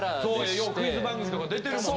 ようクイズ番組とか出てるもんな。